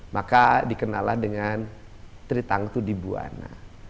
maka dikenalah dengan tritangtu dibuana